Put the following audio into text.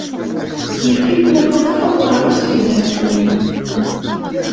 Yif-it ma tudfed ɣer usegnaf-nni.